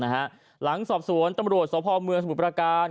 หลังสอบสวนตำรวจสพเมืองสมุทรประการ